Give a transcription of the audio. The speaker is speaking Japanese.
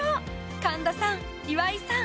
神田さん、岩井さん